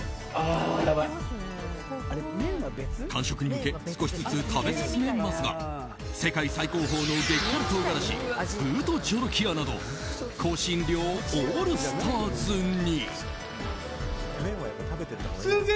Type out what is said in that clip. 完食に向け少しずつ食べ進めますが世界最高峰の激辛唐辛子ブート・ジョロキアなど香辛料オールスターズに。